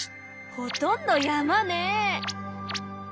ほとんど山ね！